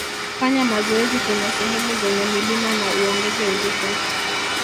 Fanya mazoezi kwenye sehemu zenye milima na uongeze uzito